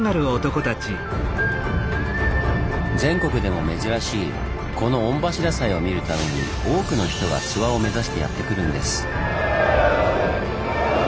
全国でも珍しいこの御柱祭を見るために多くの人が諏訪を目指してやって来るんです。